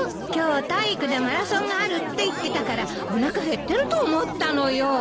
今日体育でマラソンがあるって言ってたからおなか減ってると思ったのよ。